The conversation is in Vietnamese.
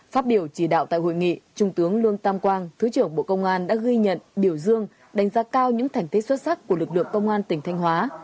phát biểu chỉ đạo tại hội nghị trung tướng lương tam quang thứ trưởng bộ công an đã ghi nhận biểu dương đánh giá cao những thành tích xuất sắc của lực lượng công an tỉnh thanh hóa